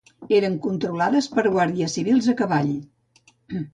Eren controlades per guàrdies civils a cavall